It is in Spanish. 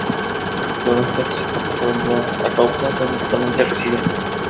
Los restos de Zapata fueron llevados a Cuautla, donde actualmente residen.